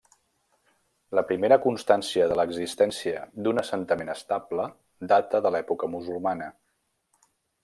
La primera constància de l'existència d'un assentament estable data de l'època musulmana.